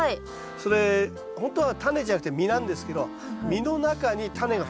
それほんとはタネじゃなくて実なんですけど実の中にタネが２つ入ってるんですよ。